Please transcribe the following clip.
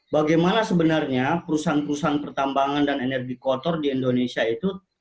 bagaimana sebenarnya perusahaan perusahaan pertambangan dan energi kotor di indonesia itu